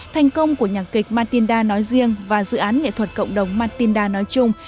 thành công của nhạc kịch matinda nói riêng và dự án nghệ thuật cộng đồng matinda nói chung